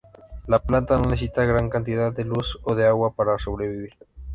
La planta no necesita gran cantidad de luz o de agua para sobrevivir.